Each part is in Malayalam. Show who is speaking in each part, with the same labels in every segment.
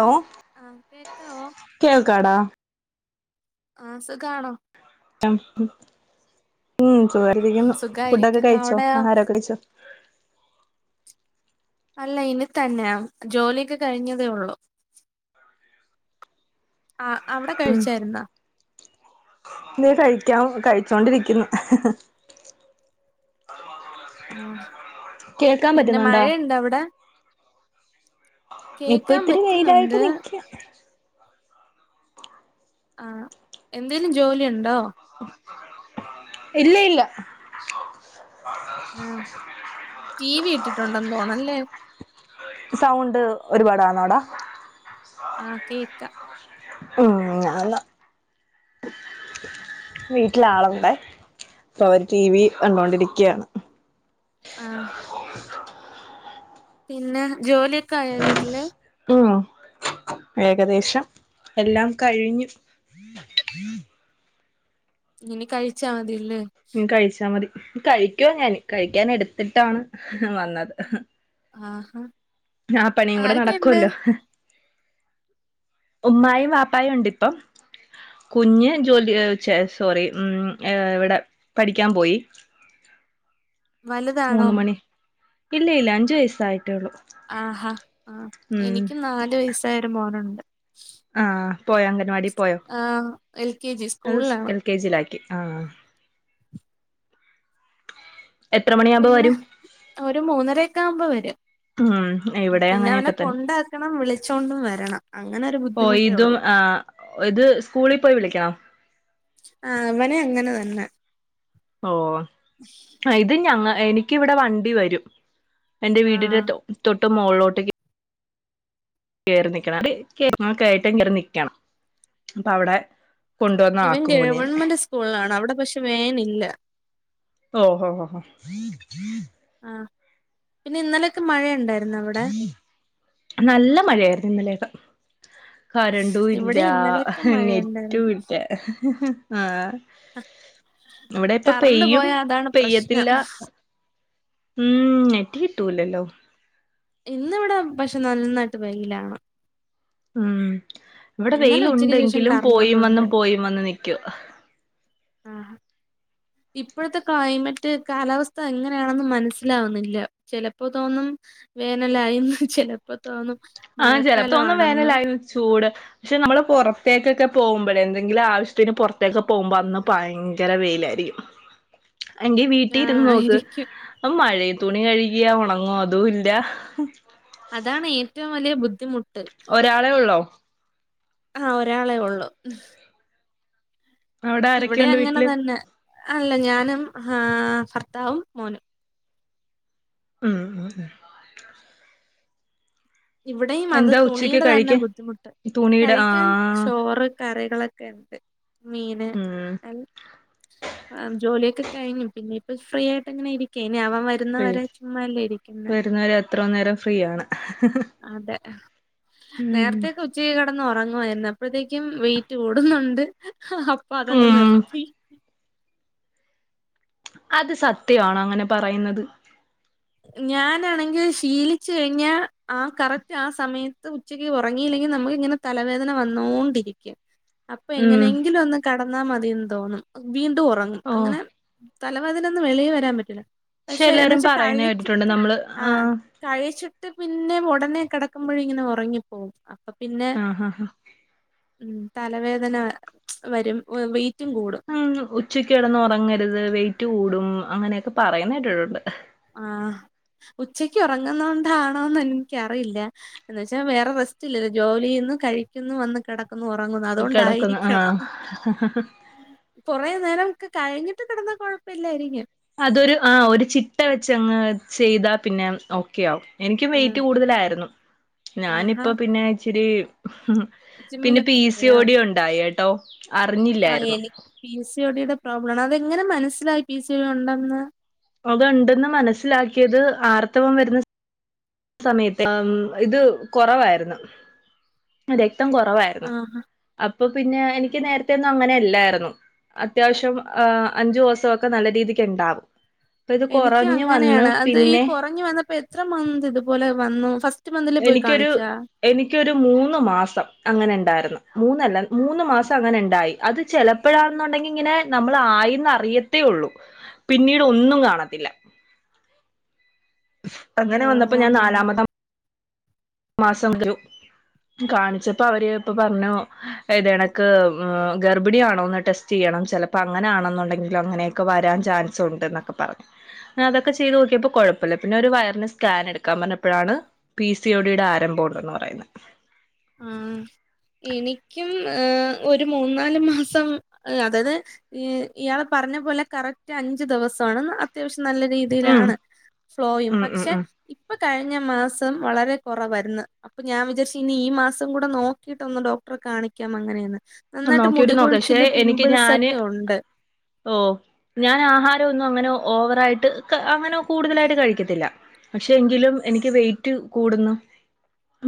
Speaker 1: ഹലോ
Speaker 2: ആഹ് കേക്കാവോ
Speaker 1: കേൾക്കാടാ
Speaker 2: ആഹ സുഖണോ
Speaker 1: ആ ഉം മ് [unintelligible] ഫുഡൊക്കെ
Speaker 2: സുഖായിരിക്കുന്നു
Speaker 1: കഴിച്ചോ
Speaker 2: അവിടെയോ
Speaker 1: ആഹാരൊക്കെ കഴിച്ചോ
Speaker 2: അല്ല ഇനി തന്നെയ ജോലിയൊക്കെ കഴിഞ്ഞതേ ഉള്ളു [inaudible]
Speaker 1: മ് നീ കഴിക്കാ കഴിച്ചോണ്ടിരിക്കുന്നു
Speaker 2: ആ
Speaker 1: കേൾക്കാൻ
Speaker 2: പിന്നെ
Speaker 1: പറ്റുന്നുണ്ടോ
Speaker 2: മഴയുണ്ട് അവിടെ
Speaker 1: ഇപ്പൊ
Speaker 2: കേക്കാൻ
Speaker 1: ഇത്തിരി വെയിലായിട്ട്
Speaker 2: പറ്റുന്നുണ്ട്
Speaker 1: നിക്ക്യ
Speaker 2: ആ എന്തേലും ജോലി ഉണ്ടോ
Speaker 1: ഇല്ല ഇല്ല
Speaker 2: ആ ടി വി ഇട്ടിട്ടുണ്ടെന്ന് തോണല്ലേ
Speaker 1: സൗണ്ട് ഒരുപാടാന്നോടാ
Speaker 2: ആഹ് കേക്കാം
Speaker 1: ഉം ആന്നു വീട്ടിലാളുണ്ടെ അപ്പൊ അവര് ടീ വി കണ്ടോണ്ടിരിക്ക്യാണ്
Speaker 2: ആഹ പിന്നെ ജോലിയൊക്കെ ആയ വീട്ടില്
Speaker 1: ഉം ഏകദേശം എല്ലാം കഴിഞ്ഞു
Speaker 2: ഇങ്ങനെ കഴിച്ചാമ
Speaker 1: മ് കഴിച്ചാ മതി കഴിക്കുവാ ഞാന് കഴിക്കാൻ എടുത്തിട്ടാണ് വന്നത്
Speaker 2: ആഹാ
Speaker 1: ആ പണിയും കൂടെ
Speaker 2: ആരൊക്കെയുണ്ട്
Speaker 1: നടക്കുല്ലോ
Speaker 2: [inaudible]
Speaker 1: ഉമ്മായും വാപ്പായും ഇണ്ട് ഇപ്പം കുഞ്ഞ് ജോലി ചേ സോറി മ് ഏ ഇവിടെ പഠിക്കാൻ പോയി
Speaker 2: വലുതാണോ
Speaker 1: മൂന്ന് മണി ഇല്ല ഇല്ല അഞ്ച് വയസ്സായി
Speaker 2: ആഹാ ആ
Speaker 1: ഉം
Speaker 2: എനിക്കും നാല് വയസായൊരു മോനുണ്ട്
Speaker 1: ആഹ പോയോ അംഗൻവാടി പോയോ
Speaker 2: ആഹ് എൽ കെ ജി
Speaker 1: അത്
Speaker 2: സ്കൂളിലാണ്
Speaker 1: എൽ കെ ജിയില ആഹ് എത്ര മണിയാവുമ്പോ
Speaker 2: പിന്നെ
Speaker 1: വരും
Speaker 2: ഒരു മൂന്നര ഒക്കെ ആവുമ്പോ വര
Speaker 1: ഉം ഇവിടെ
Speaker 2: പിന്നെ അവനെ
Speaker 1: അങ്ങനെയൊക്കെ തന്നെ
Speaker 2: കൊണ്ടാക്കണം വിളിച്ചോണ്ടും വരണം അങ്ങനെ ഒരു ബുദ്ധിമുട്ടേ ഉള്ളൂ
Speaker 1: ആ ഇത് സ്കൂളിൽ പോയി വിളിക്കണോ
Speaker 2: ആ അവനെ അങ്ങനെ തന്നെ
Speaker 1: ഓ ഇത് ഞങ്ങ എനിക്കിവിടെ വണ്ടി വരും എന്റെ
Speaker 2: ആ
Speaker 1: വീടിന്റെ തൊട്ട് മോുകളിലോട്ട് കേറി നിക്കണം അങ്ങക്ക ആയിട്ട്ങ്ങറി നിക്കണം അപ്പൊ അവിടെ കൊണ്ടുവന്ന്
Speaker 2: ഇവൻ
Speaker 1: ആക്കും കുഞ്ഞിനെ
Speaker 2: ഗവൺമെന്റ് സ്കൂളാണ് അവിടെ പക്ഷെ വേനില്ല
Speaker 1: ഓ
Speaker 2: ആ പിന്നെ ഇന്നലെ
Speaker 1: നല്ല മഴയായിരുന്നു ഇന്നലേക്കെ കറണ്ടും ഇല്ല
Speaker 2: ഇവിടെ ഇന്നലെയൊക്കെ
Speaker 1: നെറ്റും
Speaker 2: മഴയുണ്ടായിരുന്നു
Speaker 1: ഇല്ല ആ ഇവിടെ ഇപ്പ
Speaker 2: കറണ്ട്
Speaker 1: പെയ്യും
Speaker 2: പോയാ അതാണ് പ്രശ്നം
Speaker 1: പെയ്യത്തില്ല ഉം ഞെട്ടി കിട്ടൂലല്ലോ
Speaker 2: ഇന്ന് വിടെ പക്ഷെ നന്നായിട്ട് വെയിലാണ്
Speaker 1: ഉം ഇവിടെ
Speaker 2: ഇന്നലെ
Speaker 1: വെയിൽ
Speaker 2: ഉച്ചയ്ക്ക് ശേഷം
Speaker 1: ഉണ്ടെങ്കിലും പോയും വന്നും
Speaker 2: കറണ്ടൊന്നുല്ല
Speaker 1: പോയും വന്ന നിക്കൂവ
Speaker 2: ആ ഇപ്പോഴത്തെ ക്ലൈമറ്റ് കാലാവസ്ഥ എങ്ങനെയാണെന്ന് മനസ്സിലാവുന്നില്ല ചിലപ്പോ തോന്നും വേനലായിന്ന് ചിലപ്പോ തോന്നും
Speaker 1: ആ
Speaker 2: മഴക്കാലം
Speaker 1: ചിലപ്പോന്നും
Speaker 2: ആണെന്ന്
Speaker 1: വേനലായിന്ന് ചൂട് പക്ഷെ നമ്മള് പുറത്തേക്കൊക്കെ പോകുമ്പോഴേ എന്തെങ്കിലും ആവശ്യത്തിന് പുറത്തേക്കെ പോകുമ്പോ അന്ന് ഭയങ്കര വെയിൽ [unintelligible] എങ്കി
Speaker 2: ആ
Speaker 1: വീട്ടിഇരുന്ന് നോക്ക്
Speaker 2: ആയിരിക്കും
Speaker 1: മഴേം തുണി കഴിക്കിയ ഉണങ്ങോ അതും ഇല്ല
Speaker 2: അതാണ് ഏറ്റവും വലിയ ബുദ്ധിമുട്ട്
Speaker 1: ഒരാളെ ഉള്ളോ?
Speaker 2: ഉം
Speaker 1: അവിടെ
Speaker 2: ഇവിടെ
Speaker 1: ആരൊക്കെയുണ്ട്
Speaker 2: അങ്ങനെ
Speaker 1: വീട്ടില്
Speaker 2: തന്നെ അല്ല ഞാനും ആ ഭർത്താവും മോനും
Speaker 1: ഉം
Speaker 2: ഇവിടെയും അത്
Speaker 1: എന്താ ഉച്ചക്ക്
Speaker 2: തുണിയുടെ തന്നെ
Speaker 1: കഴിക്കാൻ
Speaker 2: ബുദ്ധിമുട്ട്
Speaker 1: തുണിയുടെ ആ
Speaker 2: കഴിക്കാൻ ചോറ് കറികളോക്കെ കേണ്ട് മീന്
Speaker 1: ഉം
Speaker 2: ജോലിയക്കെ കഴിഞ്ഞു പിന്നെപ്പപ്പോ ഫ്രീ ആയിട്ട്ങ്ങനെ ഇരിക്കേ അവൻ വരുന്നവരെ ചുമ്മാല്ലേ ഇരിക്കുന്ന
Speaker 1: വരുന്നവരെ എത്ര നേരം ഫ്രീ ആണ്
Speaker 2: അതെ
Speaker 1: ഉം
Speaker 2: നേരത്തക്കെ ഉച്ചക്ക് കിടന്ന ഒറ ഉറങ്ങുവായ്രുന്ന് അപ്പഴത്തേക്കും വെയിറ്റ് കൂടുന്നുണ്ട് അപ്പൊ അതങ്ങ്
Speaker 1: ഉം
Speaker 2: നിർത്തി
Speaker 1: അത് സത്യവാണോ അങ്ങനെ പറയുന്നത്?
Speaker 2: ഞാനാണെങ്കിൽ ശീലിച്ചു കഴിഞ്ഞാൽ ആ കറക്റ്റ് ആ സമയത്ത് ഉച്ചക്ക് ഉറങ്ങിയില്ലെങ്കിൽ നമുക്ക് ഇങ്ങനെ തലവേദന വന്നോണ്ടിരിക്കും അപ്പൊ
Speaker 1: ഉം
Speaker 2: എങ്ങനെയെങ്കിലും ഒന്ന് കടന്നാ മതിന്ന് തോന്നും വീണ്ടും ഉറങ്ങും
Speaker 1: ഓ
Speaker 2: അങ്ങനെ തലവേദനന്നും വെളി വരാൻ പറ്റൂല്ല പക്ഷെ
Speaker 1: എല്ലാരും
Speaker 2: എന്ന്വച്ച്
Speaker 1: പറയുന്ന
Speaker 2: കഴി
Speaker 1: കേട്ടിട്ടുണ്ട്
Speaker 2: [unintelligible]
Speaker 1: നമ്മള്
Speaker 2: ആ കഴിച്ചിട്ട് പിന്നെ ഉടനെ കിടക്കുമ്പോഴെ ഇങ്ങനെ ഉറങ്ങിപ്പോവും പിന്നെ
Speaker 1: ആ ആ
Speaker 2: തലവേദന വരും കൂടും
Speaker 1: ഉച്ചക്ക് ഇടന്ന് ഉറങ്ങരുത് വെയിറ്റ് കൂടും അങ്ങനെയൊക്കെ പറയുന്നേറ്റിട്ടുണ്ട്
Speaker 2: ആ ഉച്ചക്ക് ഉറങ്ങുന്ന കൊണ്ടാണോന്ന് എനിക്കറിയില്ല എന്ന വച്ചാ വേറെ റെസ്റ്റില്ലല്ലോ ജോലി കഴിക്കുന്നുവന്ന് കിട ഉറങ്ങുന്നു
Speaker 1: കിടക്കുന്നു
Speaker 2: അതുകൊണ്ടായിരിക്കണം
Speaker 1: ആഹ്
Speaker 2: കുറെ നേര ഒ കഴിഞ്ഞിട്ട് കിടന്നാ കുഴപ്പമില്ലായിരിക്കും
Speaker 1: അതൊരു ആ ഒരു ചിട്ട വെച്ച്ങ്ങ് ചെയ്താ പിന്നെ ഓക്കെയവും എനിക്കും
Speaker 2: ആഹ്
Speaker 1: വെയിറ്റ് കൂടുതലായിരുന്നു
Speaker 2: ആഹാ
Speaker 1: ഞാനിപ്പോ പിന്നെ ഇച്ചിരി ഉ പിന്നെ പി
Speaker 2: ജിമ്മിലൊക്കെ
Speaker 1: സി
Speaker 2: പോയോ
Speaker 1: ഓടി ഉണ്ടായി കേട്ടോ അറിഞ്ഞില്ലായിരുന്നു.
Speaker 2: പ്രോബ്ലംണ് അതെങ്ങനെ മനസ്സിലാക്കി പി സി ഓടി ഉണ്ടന്ന്
Speaker 1: അത് ഉണ്ടെന്ന് മനസ്സിലാക്കിയത് ആർത്തവം വരുന്ന സമയത്ത് ഇത് കുറവായിരുന്നു ര രക്തം കുറവായിരുന്നു
Speaker 2: ആഹാ
Speaker 1: അപ്പൊ പിന്നെ എനിക്ക് നേരത്തെ ഒന്നും അങ്ങനെയല്ലായിരുന്നു അത്യാവശ്യം ആ അഞ്ചു ഓസോക്കെ നല്ല രീതിക്ക് ഉണ്ടാവും. അപ്പൊ ഇത്
Speaker 2: എനിക്ക്
Speaker 1: കുറഞ്ഞു വന്ന്
Speaker 2: അങ്ങനെയാണ് അത് ഈ
Speaker 1: പിന്നെ
Speaker 2: കുറഞ്ഞു വന്നപ്പോ എത്ര മന്ത് ഇപോലെ വന്നു ഫസ്റ്റ് മന്തില് പോയി
Speaker 1: എനിക്കൊരു
Speaker 2: കാണിച്ചാ
Speaker 1: എനിക്കൊരു മൂന്ന് മാസം അങ്ങനെ ഉണ്ടായിരുന്നു മൂന്നല്ല മൂന്ന് മാസം അങ്ങനെ ഉണ്ടായി അത് ചെലപ്പാഴാന്നുണ്ടെങ്കി ഇങ്ങനെ നമ്മൾ ആയിന്നറിയത്തേ ഉള്ളൂ പിന്നീട് ഒന്നും കാണത്തില്ല
Speaker 2: ഓ
Speaker 1: അങ്ങനെ വന്നപ്പോ ഞാൻ
Speaker 2: അങ്ങനെ
Speaker 1: നാലാമത്തെ മാസം ഗ്രൂ കാണിച്ചപ്പോ അവര് ഇപ്പ പറഞ്ഞു ഏതനക്ക് ഗർഭിണിയണോന്ന് ടെസ്റ്റ് ചെയ്യ ണം ചിലപ്പോ അങ്ങനൊണെന്നുണ്ടെങ്കിലും അങ്ങനെയൊക്കെ വരാൻ ചാൻസ് ഉണ്ട് എന്നൊക്കെ പറഞ്ഞു അതൊക്കെ ചെയ്ത് നോക്കിയപ്പോ കുഴപ്പമില്ല പിന്നെ ഒരു വയറിന് സ്കാൻ എടുക്കാൻ പറഞ്ഞപ്പോഴാണ് പി സി യോ ഡി ടെ ആരംഭമുണ്ടന്ന് പറയുന്ന
Speaker 2: ഉം എനിക്കും ഏ ഒരു മൂന്നാല് മാസം അതായത് ഇയാളെ പറ പറഞ്ഞ പോലെ കറക്റ്റ് അഞ്ച് ദിവസമാണ് അത്യാവശ്യം നല്ല
Speaker 1: ഉം
Speaker 2: രീതിയിലാണ് ഫ്ലോയും
Speaker 1: ഉം ഉം
Speaker 2: പക്ഷെ
Speaker 1: ഉം
Speaker 2: ഇപ്പ കഴിഞ്ഞ മാസം വളരെ കുറവായിരുന്നു അപ്പൊ ഞാൻ വിചാരിച്ച ഇനി മാസം കൂടെ നോക്കിയിട്ടൊന്ന് ഡോക്ടറെ കാണിക്കാം അങ്ങനെയന്ന് - നന്നായിട്ട് മുടി
Speaker 1: നോക്കിട്ട് നോക്ക പക്ഷെ
Speaker 2: കൊഴിച്ചില്
Speaker 1: എനിക്ക്
Speaker 2: പിംപിൾസ്
Speaker 1: ഞാന്
Speaker 2: ഒക്കെ ഉണ്ട്.
Speaker 1: ഓ ഞാൻ ആഹാരം ഒന്നും അങ്ങനെ ഓവറായിട്ട് അങ്ങനെ കൂടുതലായിട്ട് കഴിക്കത്തില്ല പക്ഷെ എങ്കിലും എനിക്ക് വെയിറ്റ് കൂടുന്നു.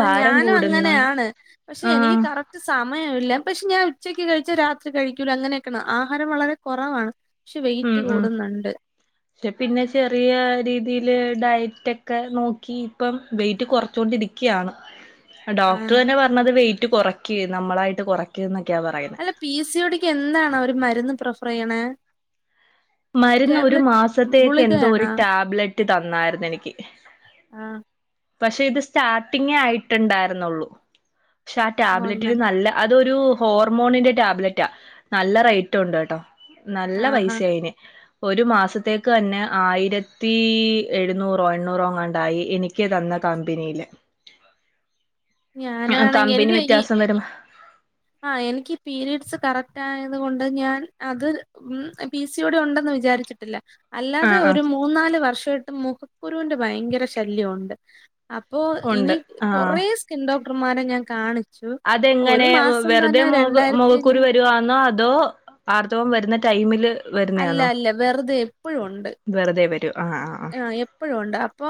Speaker 2: ആ
Speaker 1: ഭാരം
Speaker 2: ഞാനും
Speaker 1: കൂടുന്നു
Speaker 2: അങ്ങനെയാണ് പക്ഷെ
Speaker 1: ആഹ്
Speaker 2: എനിക്ക് കറക്റ്റ് സമയവില്ല പക്ഷെ ഞാൻ - ക്ക് കഴിച്ചാ രാത്രി കഴിക്കൂല അങ്ങനെയൊക്കെയാണ് ആഹാരം വളരെ കൊറവാണ്
Speaker 1: ഉം ഉ പക്ഷെ പിന്നെ ചെറിയ രീതിൽ ഡയറ്റ് ഒക്കെ നോക്കി ഇപ്പം വെയിറ്റ് കുറച്ചൊണ്ടിരിക്കയാണ്. ഡോക്ടർ
Speaker 2: ആഹ്
Speaker 1: തന്നെ പറഞ്ഞത് വെയിറ്റ് കുറക്ക നമ്മളായിട്ട് കുറക്ക
Speaker 2: അല്ല പി സിയോടിക്ക് എന്താണ് അവര് മരുന്ന് പ്രിഫർ ചെയ്യണ
Speaker 1: മരുന്ന് ഒരു മാസത്തേക്ക് എന്തോ ഒരു
Speaker 2: ഗുളികയാണോ
Speaker 1: ടാബ്ലറ്റ് തന്നായിരുന്നു എനിക്ക്
Speaker 2: ആഹ
Speaker 1: പക്ഷെ ഇത് സ്റ്റാർട്ടിങ്ങ ആയിട്ടുണ്ടായിരുന്നുള്ളൂ പക്ഷെ ആ
Speaker 2: ഓഹ്
Speaker 1: ടാബ്ലറ്റിന്
Speaker 2: അങ്ങനെ
Speaker 1: നല്ലത് അതൊരു ഹോർമോണിന്റെ ടാബ്ലറ്റാ നല്ല റേറ്റ ഉണ്ട് കേട്ടോ നല്ല
Speaker 2: ആഹാ
Speaker 1: പൈസ ആയിന് ഒരു മാസത്തേക്ക് തന്നെ ആയിരത്തി എഴുന്നൂറോ എണ്ണൂറോ അങ്ങാണ്ടായി എനിക്ക് തന്ന കമ്പനിയില്
Speaker 2: ഞാനാണെങ്കിൽ
Speaker 1: കമ്പനി
Speaker 2: എനിക്ക് ഈ
Speaker 1: വ്യത്യാസം വരും
Speaker 2: ആ എനിക്ക് പീരഡ്സ് കറക്റ്റ് റ്റായത് കൊണ്ട് ഞാൻ അത് ഉ പി സിയോടെ ഉണ്ടെന്ന് വിചാരിച്ചിട്ടില്ല അല്ലാതെ
Speaker 1: ആഹ്
Speaker 2: ഒരു
Speaker 1: ആഹ്
Speaker 2: മൂന്നാല് വർഷമായിട്ടും മുഖക്കുരുവിന്റെ ഭയങ്കര ശല്യമുണ്ട്. അപ്പോ ഇനി
Speaker 1: ഉണ്ട്
Speaker 2: കൊറ
Speaker 1: ആഹ്
Speaker 2: സ്കിൻ ഡോക്ടർമാരെ ഞാൻ കാണി
Speaker 1: അതെങ്ങനെ വെറുതെ മുഖ
Speaker 2: രണ്ടായിരത്തി
Speaker 1: മുഖക്കുരു
Speaker 2: അഞ്ഞൂറ്
Speaker 1: വരുവാെന്നോ അതോ? ആർത്തവം വരുന്ന ടൈമില്
Speaker 2: അല്ല
Speaker 1: വരുന്നയാന്നോ
Speaker 2: അല്ല വെറുതെ എപ്പഴും ഉണ്ട്
Speaker 1: വെറുതെ [unintelligible] ആഹ്
Speaker 2: ആ എപ്പോഴും ഉണ്ട് അപ്പൊ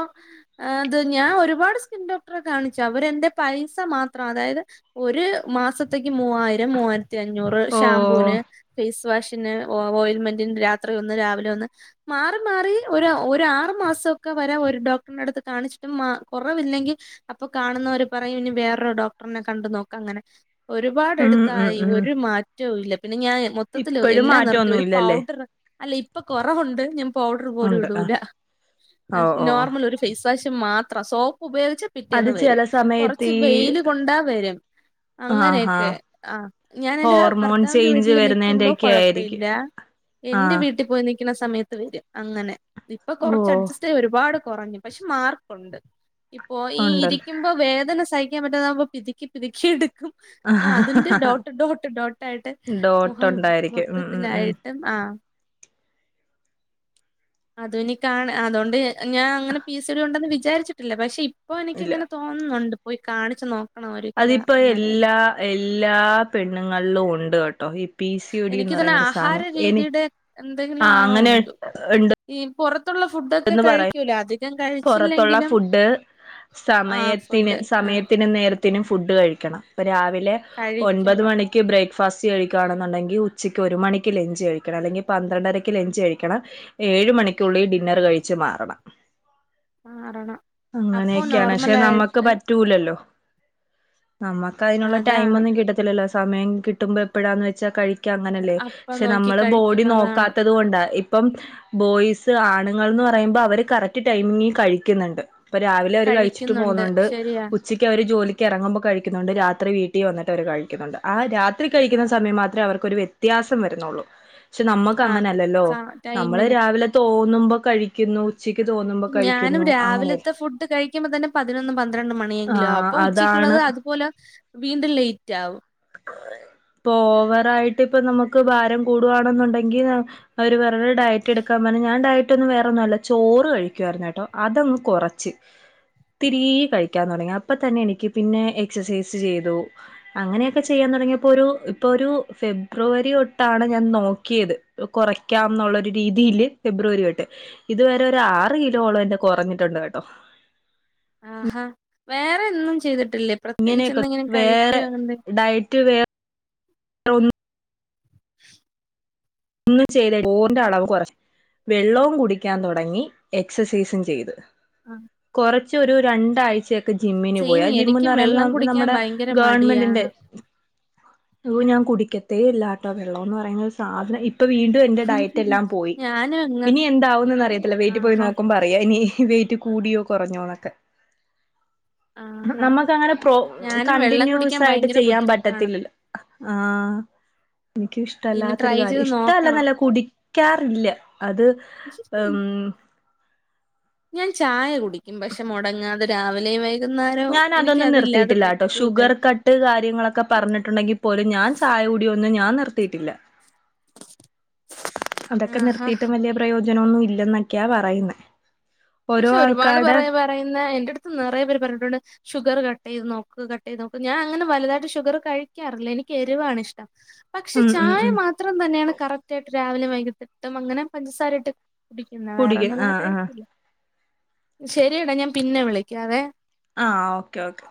Speaker 2: അത് ഞാൻ ഒരുപാട് ഡോക്ടറെ കാണിച്ചു അവരെന്റെ പൈസ മാത്രം അതായത് ഒരു മാസത്തേക്ക് മൂവായിരം മൂവായി ത്തിഞ്ഞൂറ്
Speaker 1: ഓ
Speaker 2: ഷാംമ്പൂന് ഫേസ് വാഷ് പിന്നെ ഓൽമെന്റിന്‌ രാവിലെ ഒന്ന് രാത്രി ഒന്ന്‌മാറി മാറി ഒരു ആറ്മാസംക്കെ വരെ ഒരു ഡോക്ടറി അടു കാണിച്ചിട്ടും കുറവില്ലെങ്കിൽ അപ്പൊ കാണുന്നര് പറയി ഇ വേറൊരു ഡോക്ടറിനെ കണ്ട നോക്ക അങ്ങനെ ഒരുപാട്
Speaker 1: ഉം ഉം
Speaker 2: എടത്തായി
Speaker 1: ഉം
Speaker 2: ഒരു മാറ്റവുംല്ല പിന്നെ ഞാൻ മൊത്തത്തി
Speaker 1: ഇപ്പഴും
Speaker 2: എല്ലാം നിർത്തി ഒരു
Speaker 1: മാറ്റൊന്നുല്ലല്ലേ
Speaker 2: പൗഡർ അല്ല ഇപ്പൊ കൊറവുണ്ട് ഞ പൗഡർ പോലും
Speaker 1: ഉണ്ട്
Speaker 2: ഇടൂല
Speaker 1: ആഹ് ഓ ഓ ഓ
Speaker 2: നോർമൽ ഒരു ഫേസ് വാഷ് മാത്രം സോ ഉപയോഗിച്ച
Speaker 1: അത്
Speaker 2: പിറ്റേന്ന് വരും
Speaker 1: ചെല സമയത്ത്
Speaker 2: കൊറച്ച്
Speaker 1: ഈ
Speaker 2: വെയില് കൊണ്ടാ വരും
Speaker 1: ആഹാ
Speaker 2: അങ്ങനെയൊക്കെ ആ് ഞാൻ എന്റെ
Speaker 1: ഹോർമോൺ
Speaker 2: ഭർത്താവിന്റെ
Speaker 1: ചേഞ്ച്
Speaker 2: വീട്ടില് നിക്കുമ്പോ
Speaker 1: വരുന്നേന്റെയൊക്കെ
Speaker 2: കൊഴപ്പ ഇല്ല
Speaker 1: ആയിരിക്കും
Speaker 2: എന്റെ
Speaker 1: ആഹ്
Speaker 2: വീട്ടി പോയി നിക്കണ സമയത്ത് വരും അങ്ങനെ ഇപ്പൊ കൊറച്ച്
Speaker 1: ഓ
Speaker 2: അഡ്ജസ്റ്റ്യി ഒരുപാട് കൊറഞ് പക്ഷെ മാർക്കൊണ്ട് ഇപ്പോ ഈ
Speaker 1: ഉണ്ടല്ലോ
Speaker 2: ഇരിക്ക്മ്പോ വേദന സഹി - കാൻ പറ്റതമ്പ പിതുക്കി പിതുക്കി എടുക്കും അപ്പ അതിന്റെ ഡോട്ട് ഡോട്ട് ഡോട്ടയിട്ട്
Speaker 1: ഡോട്ട്
Speaker 2: മുഖം
Speaker 1: ഉണ്ടായിരിക്കും ഉം ഉം ഉം
Speaker 2: മൊത്തത്തിലായിട്ടും ആ അധുനി കാ അതൊണ്ട് ഞാൻ അങ്ങനെ പി സി ഡി ഉണ്ടെന്ന് വിചാരിച്ചിട്ടില്ല പക്ഷെ ഇപ്പോ
Speaker 1: ഇല്ല
Speaker 2: എനിക്ക്ങ്ങനെ തോന്ന്നുണ്ട്. പോയി കാണിച്ച്ന്നോ
Speaker 1: അതിപ്പോ എല്ലാ എല്ലാ പെണ്ണുങ്ങളിലും ഉണ്ട് കേ ട്ടോ ഈ പി സിഒ ടി ന്ന്
Speaker 2: എനിക്ക് തന്നെ
Speaker 1: പറയുന്നരു
Speaker 2: ആഹാര
Speaker 1: സാനം എനി
Speaker 2: രീതിയുടെ എന്തെങ്കിലും
Speaker 1: ആ
Speaker 2: ആണോ
Speaker 1: അങ്ങനെ
Speaker 2: എന്തോ?
Speaker 1: ണ്ട്.
Speaker 2: ഈ പൊറത്തുള്ള ഫുഡൊക്കെ കഴിക്കൂലെ അത്
Speaker 1: പൊറത്തുള്ള ഫുഡ്
Speaker 2: ആ
Speaker 1: സമയത്തിന്
Speaker 2: ഫുഡ് ആ
Speaker 1: സമയത്തിനു നേരത്തിനും ഫുഡ് കഴി ക്കണംപ്പ രാവിലെ ഒൻപത്
Speaker 2: കഴിക്കണം,
Speaker 1: മണിക്ക് ബ്രേക്ക് ഫസ്റ്റ് കഴിക്കണെന്നുണ്ടെങ്കി ഉച്ചക്ക് ഒരു മണിക്ക് ലെഞ്ച് കഴിക്കണം. അല്ലെങ്കി പന്ത്രണ്ടരയ്ക്ക് ലെഞ്ച്കഴിക്കണം ഏ ഏഴ് മണിക്കുള്ളിൽ ഡിന്നർ കഴിച്ചു മാറണം.
Speaker 2: മാറണം. അപ്പൊ
Speaker 1: അങ്ങനെയൊക്കെയാണ് ക്ഷെ നമ്മുക്ക്
Speaker 2: നോർമലായിട്ട്
Speaker 1: പറ്റൂലല്ലോ. നമക്കൈനൊള്ള ടൈം
Speaker 2: അതാണ്.
Speaker 1: ഒന്നും കിട്ടത്തില്ലല്ലോ സമയം കിട്ടുമ്പോ എപ്പോഴാന്ന് വെച്ചാ കഴി ക്ക അങ്ങനെല്ലേ
Speaker 2: അപ്പം
Speaker 1: ക്ഷെ
Speaker 2: നോക്കി
Speaker 1: നമ്മള്
Speaker 2: കഴിക്കും
Speaker 1: ബോഡി
Speaker 2: അതാണ്.
Speaker 1: നോക്കാത്തത് കൊണ്ടാ ഇപ്പം ബോയ്സ് ആണുങ്ങൾന്ന് പറയുമ്പോ അവര് കറക്ട് ടൈമിംഗിൽ കഴിക്കുന്നുണ്ട്. ഇപ്പൊ രാവിലെ അവര് കഴിച്ചിട്ട്
Speaker 2: കഴിക്കുന്നുണ്ട്
Speaker 1: പോന്നോണ്ട്
Speaker 2: ശരിയാ.
Speaker 1: ഉച്ചയ്ക്ക് അവര് ജോലി ക്കെറങ്ങുമ്പോ കഴിക്കുന്നുണ്ട്. രാത്രി വീട്ടി വന്നട്ട് അവര് കഴിക്കുന്നുണ്ട്. ആ രാത്രി കഴിക്കുന്ന സമയം മാത്രേ അവർക്കൊരു വ്യത്യാ സം വരുന്നോള്ളൂ. പക്ഷെ നമ്മക്ക്
Speaker 2: ആ
Speaker 1: അങ്ങനെയല്ലല്ലോ
Speaker 2: സ
Speaker 1: നമ്മള്
Speaker 2: ടൈമിന്.
Speaker 1: രാവിലെ തോന്നുമ്പോ കഴിക്കുന്നു. ഉച്ച
Speaker 2: ഞാനും രാവിലത്തെ ഫുഡ് കഴിക്കുമ്പോ തന്നെ പതിനൊന്നും പന്ത്രണ്ട്
Speaker 1: ആ
Speaker 2: മണിയെങ്കിലും അപ്പൊ ഉച്ചക്കുള്ളത്
Speaker 1: അതാണ്
Speaker 2: അ അതുപോലെ വീണ്ടും ലേറ്റ് ആവും.
Speaker 1: പ്പൊവറായിട്ട് ഇപ്പ നമുക്ക് ബാരം കൂടവാണെന്നുണ്ടെങ്കി അവര്പ ഡയറ്റ് എടുക്കാപറഞ് ഞാൻടയ ഇട്ടൊന്ന വേറൊന്നുംമല്ല ചോറ് കഴിക്കുആയിരുന്നെട്ടോ അതങ്ങ് കൊറച്ച്. ഇത്തിരീ കഴിക്കാൻ തുടങ്ങി അപ്പൊ തന്നെ എനിക്ക് പിന്നെ എക്സസൈസ് ചെയ്തു അങ്ങനെ ക്കെ ചെയ്യാൻ തുടങ്ങിയപ്പോ ഒരു ഇപ്പൊ ഒരു ഫെബ്രുവരി തൊട്ടാണ് ഞാൻ നോക്കിയത് കൊറക്കാ എന്നുള്ളരു രീതിയില് ഫെബ്രുവരി തൊട്ട് ഇതുവരെ ഒരു ആറ് കിലോളം എന്റെ കൊറഞ്ഞിട്ടുണ്ട് കേട്ടോ.
Speaker 2: ഉ [unintelligible] വേറെ എന്നും ചെയ്തി ട്ടില്ലേ പ്രത്യേകിച്ച്
Speaker 1: ഇങ്ങനെയൊക്കെ
Speaker 2: എന്തെങ്കിലും
Speaker 1: വേറെ
Speaker 2: കഴിക്കോ ന്തേ
Speaker 1: ഡയറ്റ്
Speaker 2: [unintelligible]
Speaker 1: ഒന്നും ചെയ്ത [unintelligible] ഓറിന്റെ അളവ് കുറ വെള്ളവും കുടിക്കാൻ തൊടങ്ങി. എക്സസൈസും ചെയ്ത്.
Speaker 2: ആ
Speaker 1: കൊറച്ചൊരു രണ്ടാഴ്ചെ ജിമ്മിന് പോയി.
Speaker 2: സെയിം
Speaker 1: ആ ജിമ്മന്ന്
Speaker 2: എനിക്കും വെള്ളം
Speaker 1: പറയുമ്പോ
Speaker 2: കുടിക്കാൻ
Speaker 1: നമ്മടെ
Speaker 2: ഭയങ്കര
Speaker 1: ഗവൺമെന്റിന്റെ
Speaker 2: മടിയാണ്
Speaker 1: യ്യോ ഞാൻ കുടിക്കത്തേ ഇല്ലാട്ടോ വെള്ളോന്ന് പറയുന്ന ഒരു സാധനം ഇ ഇപ്പൊ വീണ്ടും എന്റെ ഡയറ്റ് എല്ലാം പോയി.
Speaker 2: ഞാനും അങ്ങ്
Speaker 1: ഇനി എന്താവുന്നന്ന് അറിയത്തില്ല വെയിറ്റ് പോയി
Speaker 2: ആഹാ
Speaker 1: നോക്കുമ്പോ അറിയാം ഇനി. വെയിറ്റ് കൂടിയോ കുറഞ്ഞോന്നൊക്കെ.
Speaker 2: ആഹാ
Speaker 1: നമുക്ക് അങ്ങനെ പ്രോ
Speaker 2: ഞാനും വെള്ളം
Speaker 1: കണ്ടിന്യൂസ്
Speaker 2: കുടിക്കാൻ
Speaker 1: ആയിട്ട്
Speaker 2: ഭയങ്കര
Speaker 1: ചെയ്യാൻ
Speaker 2: ബുദ്ധിമുട്ടാണ്
Speaker 1: പറ്റത്തില്ലല്ലോ. ആഹ്
Speaker 2: ഇനി
Speaker 1: എനിക്കുഷ്ടല്ലാത്തൊരു
Speaker 2: ട്രൈ
Speaker 1: കാര്യ
Speaker 2: ചെയ്ത്
Speaker 1: ഇഷ്ട നല്ല
Speaker 2: നോക്കണം
Speaker 1: നല്ല കുടിക്കാറില്ല. അത് ഉം
Speaker 2: ഞാൻ ചായ കുടിക്കും. പക്ഷെ മൊടങ്ങാതെ രാവിലേം വൈ
Speaker 1: ഞാൻ അതൊന്നും നിർത്തിയിട്ടില്ലട്ടോ ഷുഗർ കട്ട് കാര്യങ്ങളക്കെ പറഞ്ഞിട്ടുണ്ടെങ്കി പോലും ഞാൻ ചായകൂടി ഒ ന്നും ഞാൻ നിർത്തിട്ടില്ല. അതൊക്കെ
Speaker 2: ആഹാ
Speaker 1: നിർത്തിട്ടും വല്യ പ്രയോ ജനൊന്നും ഇല്ലെന്നൊക്കെയാ പറയുന്നേ.
Speaker 2: പക്ഷെ ഒരുപാട് പറയാ പറയുന്ന എന്റടുത്ത് നിറയ പേര് പറഞ്ഞിട്ടുണ്ട് ഷുഗർ കട്ടേയ്ത് നോക്ക് കട്ടേത് നോക്ക് ഞാൻങ്ങന വലുതട്ട് ഷുഗർ കഴിക്കാറില്ല. എനിക്ക് എരിവാണ് ഇഷ്ടം. പക്ഷെ
Speaker 1: ഉം ഉം
Speaker 2: ചായ
Speaker 1: ഉം
Speaker 2: മാത്രം തന്നെയാണ് കറക്റ്റായിട്ട് രാവിലെ വൈകിട്ടും അങ്ങനെ പഞ്ചസാര ഇട്ട് കുടിക്കുന്ന
Speaker 1: കുടിക
Speaker 2: വേറെൊന്നും അങ്ങനെ
Speaker 1: ആഹ് ആഹ്
Speaker 2: കഴിച്ചില്ല ശരിയടാ ഞാൻ പിന്നെ വിളിക്കാവെ.
Speaker 1: ആഹ് ഓക്കെ ഓക്കെ.